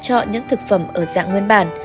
chọn những thực phẩm ở dạng nguyên bản